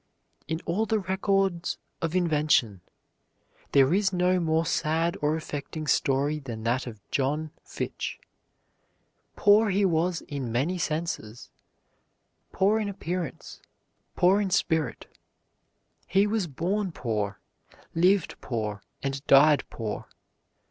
In all the records of invention there is no more sad or affecting story than that of John Fitch. Poor he was in many senses, poor in appearance, poor in spirit. He was born poor, lived poor, and died poor.